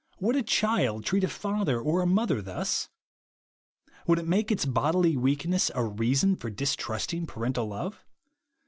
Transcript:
Would a child treat a father or a mother thus ? Would it make its bodily weakness a reason for distrusting parental love